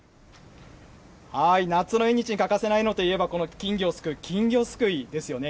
夏の縁日に欠かせないものといえばこの金魚をすくう金魚すくいですよね。